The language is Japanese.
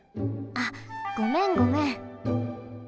あっごめんごめん。